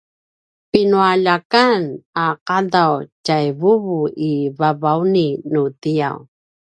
pinualjakan a ’adav tjai vuvu i Vavauni nutiaw